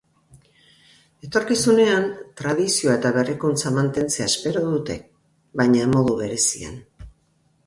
Etorkizunean, tradizioa eta berrikuntza mantentzea espero dute, baina modu bereizian.